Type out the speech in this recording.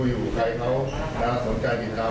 ตอบเข้าต้องให้เรา